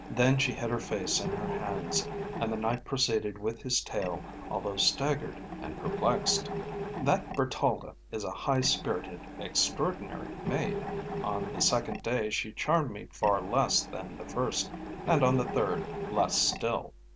Then she hid her face in her hands, and the Knight proceeded with his tale, although staggered and perplexed. "That Bertalda is a high spirited, extraordinary maid. On the second day she charmed me far less than the first, and on the third, less still.